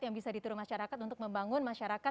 yang bisa ditiru masyarakat untuk membangun masyarakat